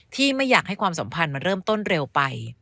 ไม่อยากให้ความสัมพันธ์มันเริ่มต้นเร็วไป